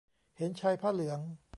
เห็นชายผ้าเหลือง